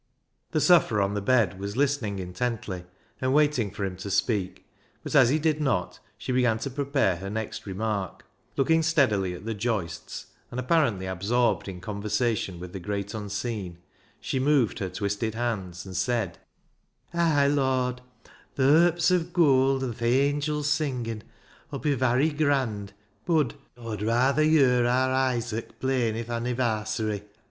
The sufferer on the bed was listening intently, and waiting for him to speak, but as he did not, she began to prepare her next remark ; looking steadily at the joists, and apparently absorbed in conversation with the Great Unseen, she moved her twisted hands and said —" Ay, Lord, th' herps of goold an' th' angils' singin' 'ull be varry grand, bud — Aw'd rayther yer aar Isaac playin' i' th' annivarsary."